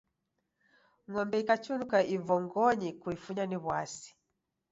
Ng'ombe ikachunuka ivongoyi, kuifunya ni w'asi.